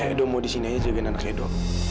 edo mau di sini saja dengan anak edo